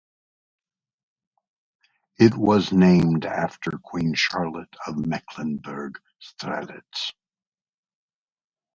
It was named after Queen Charlotte of Mecklenburg-Strelitz.